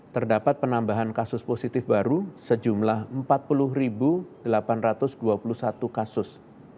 terdapat penambahan kasus positif baru sejumlah empat puluh delapan ratus dua puluh satu kasus